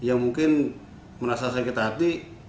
yang mungkin merasa sakit hati